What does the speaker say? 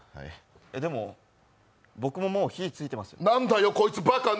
えっでも、僕ももう火、ついてますよ。